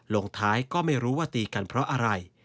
ลงท้ายก็ไม่รู้ว่าตีกันเพราะอะไร